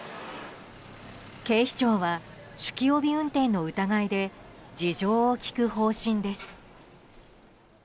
警視庁は酒気帯び運転の疑いで事情を聴く方針です。